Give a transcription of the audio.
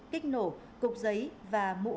kích nổ cục giấy và mũ